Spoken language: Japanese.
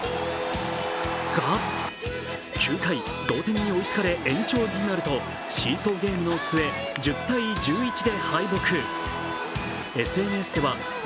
が９回、同点に追いつかれ延長になると、シーソーゲームの末１０−１１で敗北。